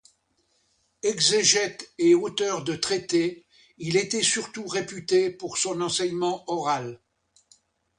Exégète et auteur de traités, il était surtout réputé pour son enseignement oral.